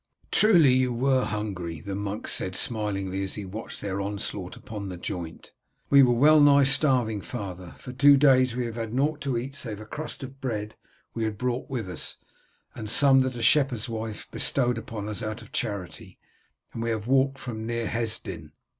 "Truly you were hungry," the monk said smilingly as he watched their onslaught upon the joint. "We were well nigh starving, father. For two days we have had nought to eat save a crust of bread we had brought with us, and some that a shepherd's wife bestowed upon us out of charity, and we have walked from near Hesdin."